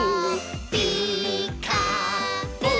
「ピーカーブ！」